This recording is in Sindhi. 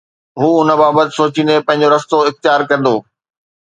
هو ان بابت سوچيندي پنهنجو رستو اختيار ڪندو